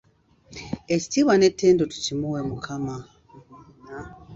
Ekitiibwa n'ettendo tukimuwe Mukama.